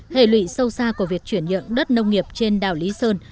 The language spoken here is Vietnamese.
hệ lụy sâu xa của việc chuyển nhượng đất nông nghiệp trên đảo lý sơn